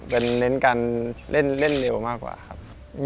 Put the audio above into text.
เป็นเน้นการเล่นเร็วมากกว่าครับ